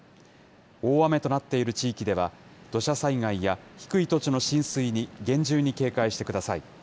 大雨となっている地域では、土砂災害や低い土地の浸水に厳重に警戒してください。